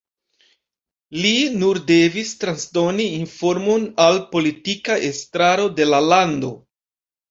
Li nur devis transdoni informon al politika estraro de la lando.